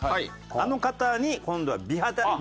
あの方に今度は美肌で。